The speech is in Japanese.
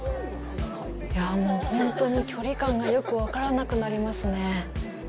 いや、もう本当に距離感がよく分からなくなりますね。